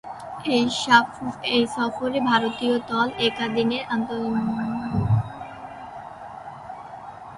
ঐ সফরে ভারত দল একদিনের আন্তর্জাতিকের ইতিহাসে প্রথমবারের মতো অংশ নেয়।